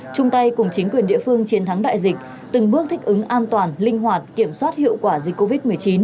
chung tay cùng chính quyền địa phương chiến thắng đại dịch từng bước thích ứng an toàn linh hoạt kiểm soát hiệu quả dịch covid một mươi chín